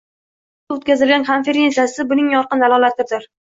Shu mavzusida oʻtkazilgan konferensiyasi buning yorqin dalolatidir